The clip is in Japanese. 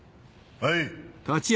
はい。